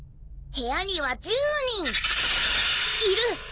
部屋には１０人いる！